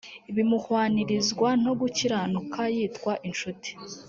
bimuhwanirizwa no gukiranuka yitwa incuti